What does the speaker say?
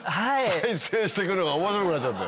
再生して行くのが面白くなっちゃって。